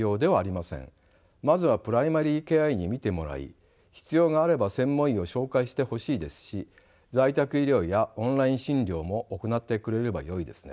まずはプライマリケア医に診てもらい必要があれば専門医を紹介してほしいですし在宅医療やオンライン診療も行ってくれればよいですね。